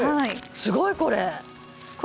すごいこれ！